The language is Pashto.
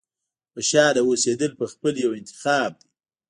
• خوشحاله اوسېدل پخپله یو انتخاب دی.